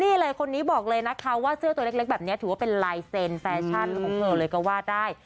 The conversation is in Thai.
นี่เลยคนนี้บอกเลยนะคะว่าเสื้อตัวเล็กแบบนี้ถือว่าเป็นลายเซ็นแฟชั่นของเธอเลยก็ว่าได้